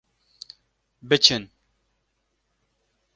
Biçin!